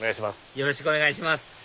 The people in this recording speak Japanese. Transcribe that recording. よろしくお願いします